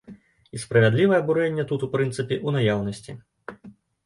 І справядлівае абурэнне тут, у прынцыпе, у наяўнасці.